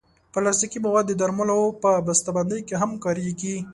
پلاستيکي مواد د درملو په بستهبندۍ کې هم کارېږي.